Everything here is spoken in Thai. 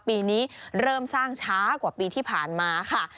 ปีนี้เริ่มสร้างช้ากว่าปีที่ผ่านมาค่ะ